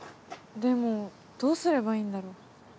でもどうすればいいんだろう。